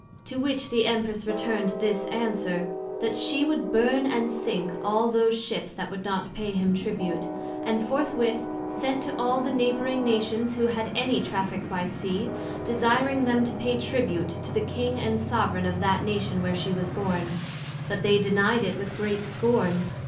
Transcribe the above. To which the Empress returned this answer, That she would burn and sink all those Ships that would not pay him Tribute; and forthwith sent to all the Neighbouring Nations, who had any Traffick by Sea, desiring them to pay Tribute to the King and soveraign of that Nation where she was born; But they denied it with great scorn.